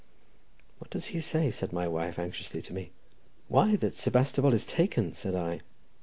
"What does he say?" said my wife anxiously to me. "Why, that Sebastopol is taken," said I.